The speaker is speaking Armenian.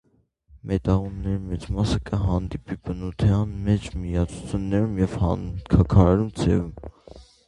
Մետաղներու մեծ մասը կը հանդիպի բնութեան մէջ միացութիւններու եւ հանքաքարերու ձեւով։